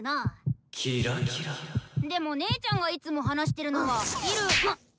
でも姉ちゃんがいつも話してるのはいるまっ！